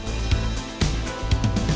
nah ini juga